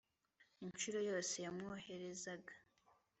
Incuro yose yamwoherezaga